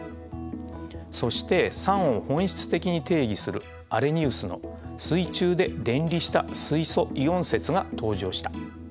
そして酸を本質的に定義するアレニウスの水中で電離した水素イオン説が登場した。